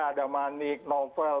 ada manik novel